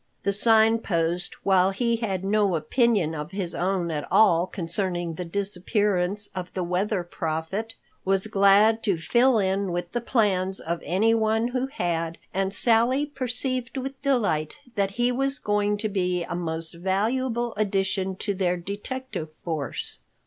The Sign Post, while he had no opinion of his own at all concerning the disappearance of the Weather Prophet, was glad to fall in with the plans of anyone who had, and Sally perceived with delight that he was going to be a most valuable addition to their detective force.